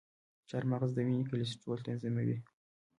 چارمغز د وینې کلسترول تنظیموي.